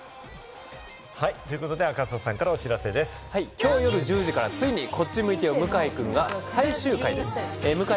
きょう夜１０時からはついに『こっち向いてよ向井くん』が最終回です。